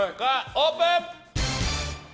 オープン！